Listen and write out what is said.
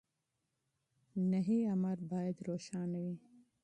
نهي امر بايد روښانه وي.